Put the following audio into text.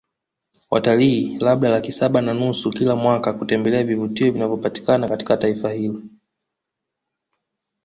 Watalii labda laki saba na nusu kila mwaka kutembelea vivutio vinavyopatikana katika taifa hilo